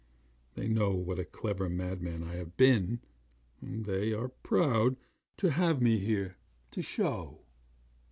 They know what a clever madman I have been, and they are proud to have me here, to show.